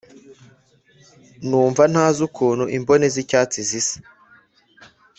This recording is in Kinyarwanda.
Numva ntazi ukuntu imbone z’icyatsi zisa